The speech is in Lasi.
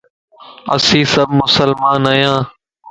اسين سڀ مسلمان ايان